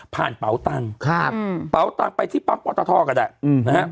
ผ่านเป๋าตังค์ครับอืมเป๋าตังค์ไปที่ปั๊มอัตทธอก็ได้อืมนะฮะ